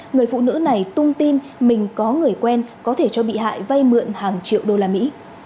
người phụ nữ này tung tin mình có người quen có thể cho bị hại vay mượn hàng triệu đô la mỹ